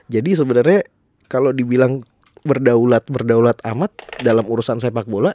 jadi sebenarnya kalau dibilang berdaulat berdaulat amat dalam urusan sepak bola